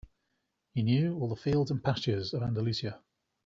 He knew all the fields and pastures of Andalusia.